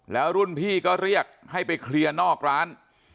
แล้วรุ่นพี่ก็เรียกให้ไปเคลียร์นอกร้าน